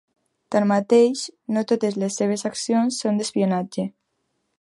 Tanmateix, no totes les seves accions són d'espionatge.